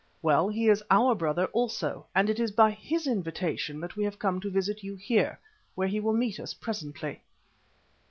Well, he is our brother also, and it was by his invitation that we have come to visit you here, where he will meet us presently."